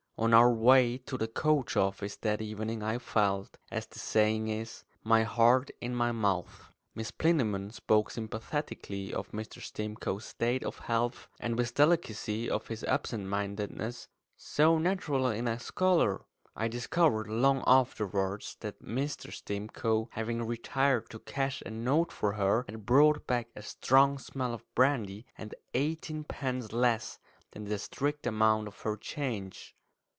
On our way to the coach office that evening I felt as the saying is my heart in my mouth. Miss Plinlimmon spoke sympathetically of Mr. Stimcoe's state of health, and with delicacy of his absent mindedness, "so natural in a scholar." I discovered long afterwards that Mr. Stimcoe, having retired to cash a note for her, had brought back a strong smell of brandy and eighteen pence less than the strict amount of her change.